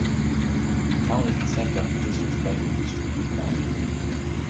The town is the centre of the district's light industry and farming.